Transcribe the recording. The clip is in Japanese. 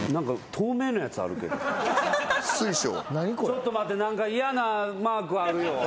ちょっと待って何か嫌なマークあるよ。